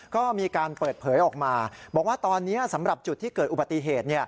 ก็มีการเปิดเผยออกมาบอกว่าตอนนี้สำหรับจุดที่เกิดอุบัติเหตุ